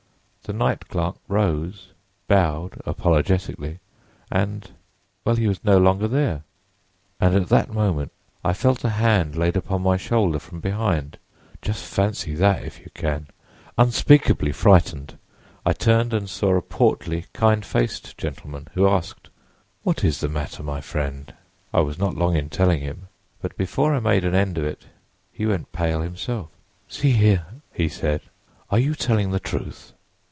"The night clerk rose, bowed (apologetically) and—well, he was no longer there, and at that moment I felt a hand laid upon my shoulder from behind. Just fancy that if you can! Unspeakably frightened, I turned and saw a portly, kind faced gentleman, who asked: "'What is the matter, my friend?' "I was not long in telling him, but before I made an end of it he went pale himself. 'See here,' he said, 'are you telling the truth?